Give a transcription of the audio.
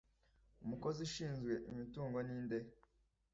umukozi ushinzwe imitungo n'inde?